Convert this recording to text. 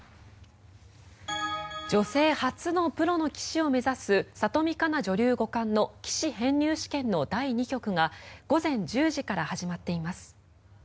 女性初のプロの棋士を目指す里見香奈女流五冠の棋士編入試験の第２局が午前１０時から始まっています。